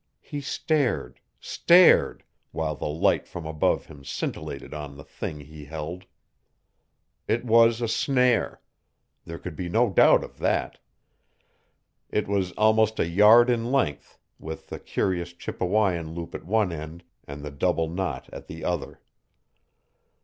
He stared stared while the light from above him scintillated on the thing he held. It was a snare. There could be no doubt of that. It was almost a yard in length, with the curious Chippewyan loop at one end and the double knot at the other.